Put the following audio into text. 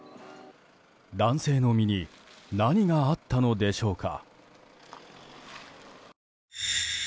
男性の身に何があったのでしょうか。